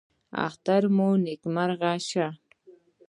اختر مو نیکمرغه شه